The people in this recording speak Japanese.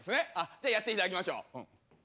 じゃあやって頂きましょう。